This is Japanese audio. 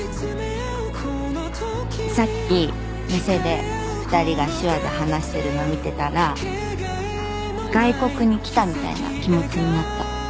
さっき店で２人が手話で話してるのを見てたら外国に来たみたいな気持ちになった。